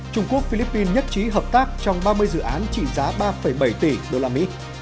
trung quốc philippines nhất trí hợp tác trong ba mươi dự án trị giá ba bảy tỷ usd